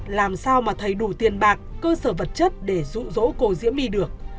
làm sao mà thầy đủ tiền bạc cơ sở vật chất để dụ dỗ cô diễm my được